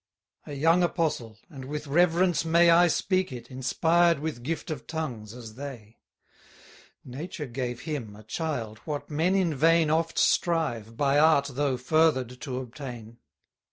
A young apostle; and, with reverence may I speak it, inspired with gift of tongues, as they. Nature gave him, a child, what men in vain Oft strive, by art though further'd, to obtain.